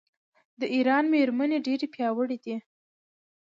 د ایران میرمنې ډیرې پیاوړې دي.